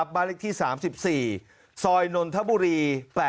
บ้านเลขที่๓๔ซอยนนทบุรี๘